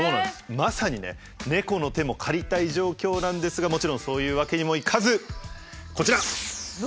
まさにね猫の手も借りたい状況なんですがもちろんそういうわけにもいかずこちら！